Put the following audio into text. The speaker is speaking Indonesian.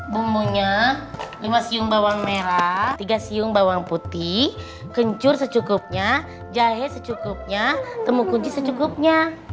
bumbunya lima siung bawang merah tiga siung bawang putih kencur secukupnya jahe secukupnya temu kunci secukupnya